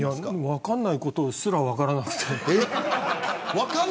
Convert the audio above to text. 分からないことすら分からなくて。